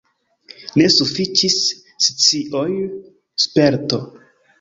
Ne sufiĉis scioj, sperto.